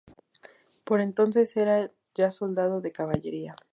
Por entonces era ya soldado de caballería.